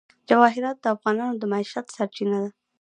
جواهرات د افغانانو د معیشت سرچینه ده.